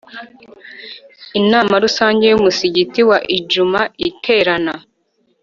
Inama Rusange y Umusigiti wa Idjuma iterana